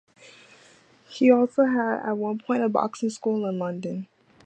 He also had, at one point, a boxing school in London.